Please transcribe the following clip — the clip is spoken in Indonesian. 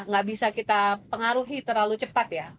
nggak bisa kita pengaruhi terlalu cepat ya